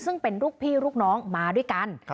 ซึ่งเป็นลูกพี่ลูกน้องมาด้วยกัน